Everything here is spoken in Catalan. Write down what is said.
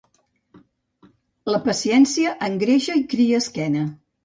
La paciència engreixa i cria esquena.